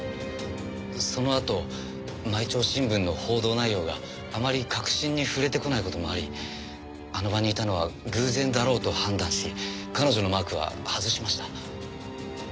そのあと毎朝新聞の報道内容があまり核心に触れてこない事もありあの場にいたのは偶然だろうと判断し彼女のマークは外しました。